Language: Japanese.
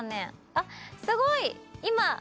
あっすごい！